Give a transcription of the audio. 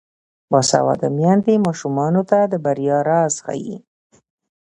باسواده میندې ماشومانو ته د بریا راز ښيي.